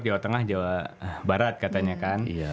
jawa tengah jawa barat katanya kan